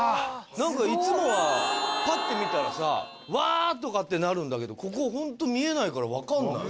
何かいつもはぱって見たらさうわ！とかってなるんだけどここホント見えないから分かんない。